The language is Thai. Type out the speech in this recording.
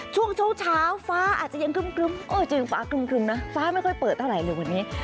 ช่วงเช้าฟ้าอาจจะยังครึ้มฟ้าครึ่มนะฟ้าไม่ค่อยเปิดเท่าไหร่เลยวันนี้